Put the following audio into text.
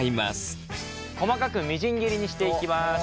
細かくみじん切りにしていきます。